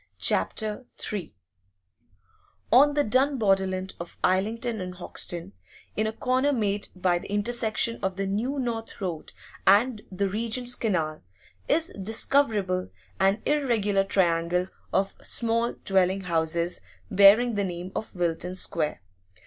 CHAPTER III On the dun borderland of Islington and Hoxton, in a corner made by the intersection of the New North Road and the Regent's Canal, is discoverable an irregular triangle of small dwelling houses, bearing the name of Wilton Square.